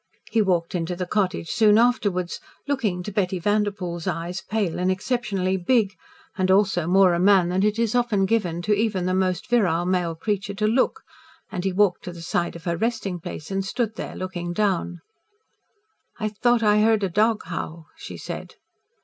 He walked into the cottage soon afterwards looking, to Betty Vanderpoel's eyes, pale and exceptionally big, and also more a man than it is often given even to the most virile male creature to look and he walked to the side of her resting place and stood there looking down. "I thought I heard a dog howl," she said.